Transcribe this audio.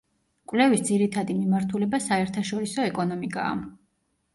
კვლევის ძირითადი მიმართულება საერთაშორისო ეკონომიკაა.